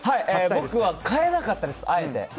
僕は変えなかったです、あえて。